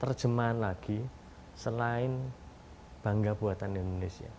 terjemahan lagi selain bangga buatan indonesia